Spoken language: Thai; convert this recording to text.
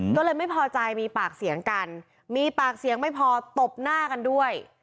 ก็เลยไม่พอใจมีปากเสียงกันมีปากเสียงไม่พอตบหน้ากันด้วย